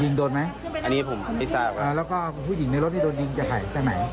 โดนไหมอันนี้ผมไม่ทราบแล้วก็ผู้หญิงในรถที่โดนยิงจะหายไปไหน